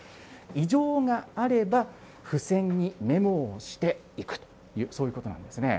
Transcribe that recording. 異常があれば、付箋にメモをしていく、そういうことなんですね。